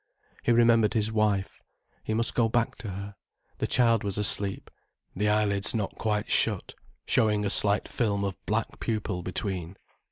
He remembered his wife. He must go back to her. The child was asleep, the eyelids not quite shut, showing a slight film of black pupil between.